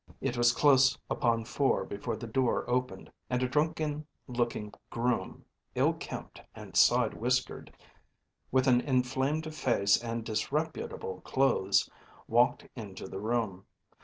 It was close upon four before the door opened, and a drunken looking groom, ill kempt and side whiskered, with an inflamed face and disreputable clothes, walked into the room.